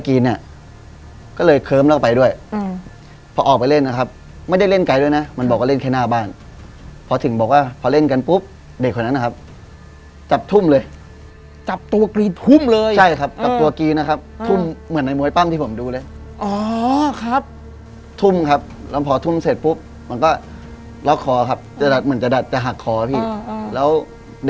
อเจมส์อเจมส์อเจมส์อเจมส์อเจมส์อเจมส์อเจมส์อเจมส์อเจมส์อเจมส์อเจมส์อเจมส์อเจมส์อเจมส์อเจมส์อเจมส์อเจมส์อเจมส์อเจมส์อเจมส์อเจมส์อเจมส์อเจมส์อเจมส์อเจมส์อเจมส์อเจมส์อเจม